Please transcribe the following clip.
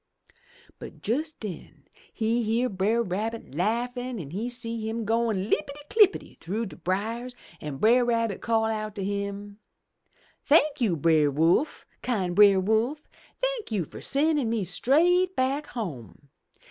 "But jes' den he hear Brer Rabbit laughin' an' see him goin* Uppity clippity through de briers, an' Brer Rabbit call out to him. Thank you. Brer Wolf, kind Brer Wolf! Thank you fur sendin' me straight back home!